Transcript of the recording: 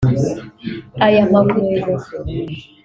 Aya mavuta